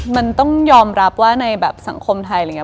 มันต้องยอมรับว่าในสังคมไทย